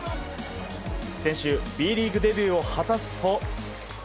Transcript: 先週Ｂリーグデビューを果たすと。